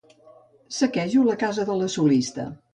Saquejo la casa de la solista.